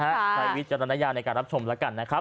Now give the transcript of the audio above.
ใช้วิจารณญาณในการรับชมแล้วกันนะครับ